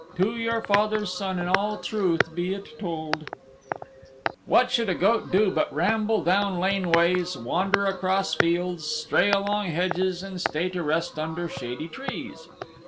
"To your father's Son in all truth be it told " What should a goat do but ramble down laneways, wander across fields, stray along hedges and stay to rest under shady trees?